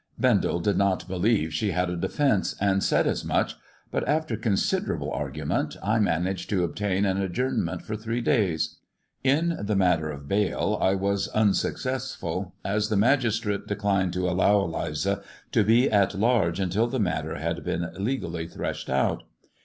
Bendel did not believe she had a defence, and said as much, but after considerable argument I managed to obtain an adjournment for three days. In the matter of bail I was unsuccessf ul, as the magistrate declined X 322 THE RAINBOW CAMELUA 1 to allow Eliza to be at large until the matter had beal^i^^ ^ legally threshed out.